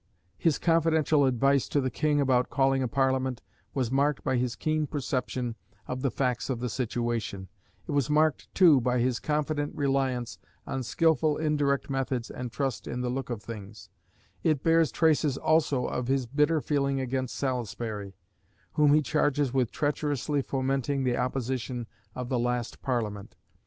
His confidential advice to the King about calling a parliament was marked by his keen perception of the facts of the situation; it was marked too by his confident reliance on skilful indirect methods and trust in the look of things; it bears traces also of his bitter feeling against Salisbury, whom he charges with treacherously fomenting the opposition of the last Parliament.